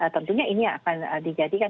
tentunya ini akan